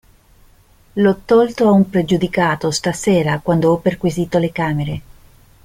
L'ho tolto a un pregiudicato, stasera, quando ho perquisito le camere.